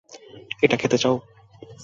এটা খেতে চাও?